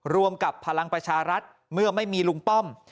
รวมกับพลังประชารัฐเมื่อไม่มีลุงป้อม